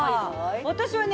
私はね